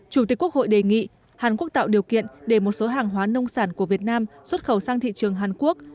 chủ tịch quốc hội đề nghị hàn quốc tạo điều kiện để một số hàng hóa nông sản của việt nam xuất khẩu sang thị trường hàn quốc